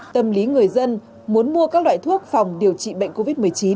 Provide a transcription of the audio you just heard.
tâm lý người dân muốn mua các loại thuốc phòng điều trị bệnh covid một mươi chín